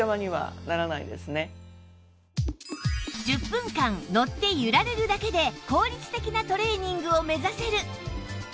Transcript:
１０分間乗って揺られるだけで効率的なトレーニングを目指せる